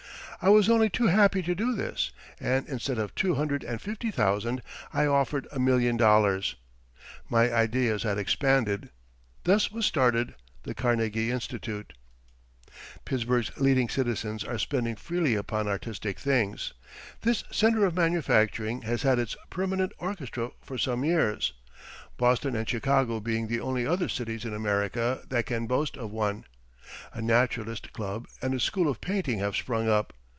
I was only too happy to do this and, instead of two hundred and fifty thousand, I offered a million dollars. My ideas had expanded. Thus was started the Carnegie Institute. Pittsburgh's leading citizens are spending freely upon artistic things. This center of manufacturing has had its permanent orchestra for some years Boston and Chicago being the only other cities in America that can boast of one. A naturalist club and a school of painting have sprung up.